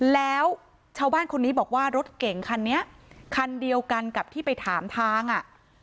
แล้วชาวบ้านคนนี้บอกว่ารถเก่งคันนี้คันเดียวกันกับที่ไปถามทางอ่ะ